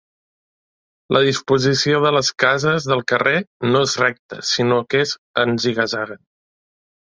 La disposició de les cases del carrer no és recta sinó que és en ziga-zaga.